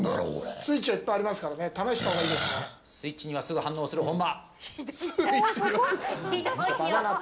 スイッチがいっぱいありますからスイッチにはすぐ反応する本間。